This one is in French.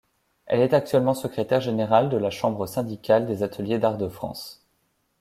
Elle est actuellement secrétaire générale de la chambre syndicale des Ateliers d'Art de France.